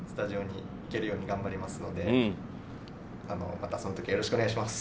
またその時よろしくお願いします。